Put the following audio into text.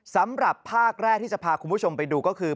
สำหรับภาคแรกที่จะพาคุณผู้ชมไปดูก็คือ